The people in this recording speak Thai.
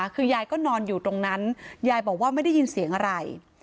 คือยายก็นอนอยู่ตรงนั้นยายบอกว่าไม่ได้ยินเสียงอะไร